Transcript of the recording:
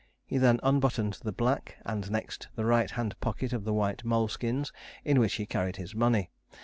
He then unbuttoned the black, and next the right hand pocket of the white moleskins, in which he carried his money.